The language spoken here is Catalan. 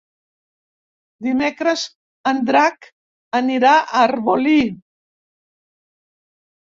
Dimecres en Drac anirà a Arbolí.